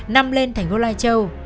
năm lên thành phố lai châu